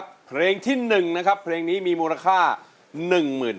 ใบเตยเลือกใช้ได้๓แผ่นป้ายตลอดทั้งการแข่งขัน